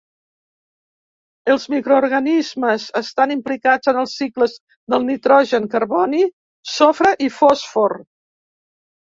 Els microorganismes estan implicats en els cicles del nitrogen, carboni, sofre i fòsfor.